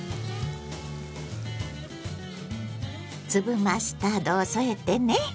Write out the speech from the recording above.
粒マスタードを添えてね。